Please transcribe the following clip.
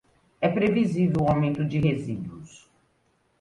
É previsível o aumento de resíduos.